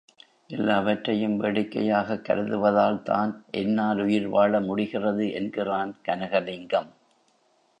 எல்லாவற்றையும் வேடிக்கையாகக் கருதுவதால் தான் என்னால் உயிர் வாழ முடிகிறது, என்கிறான் கனகலிங்கம்.